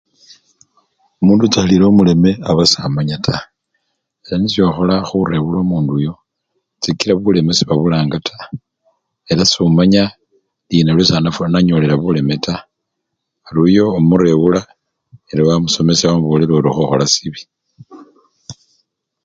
Omundu ochakhilila omulele abasamanya taa, ela nisyo okhola khurewula omundu oyo sikila buleme sebabulanga taa ela somanya lina lefwa! lwesananyolela buleme taa, ari oyo omurewula ela wamusomesya wamubolela ori okhokhola sibi.